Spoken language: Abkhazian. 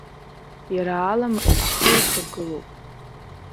Иара алым ахы ихагылоуп.